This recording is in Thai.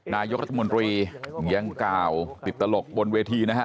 นายกรัฐมนตรียังกล่าวติดตลกบนเวทีนะฮะ